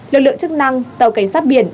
lực lượng chức năng tàu cảnh sát biển ba nghìn hai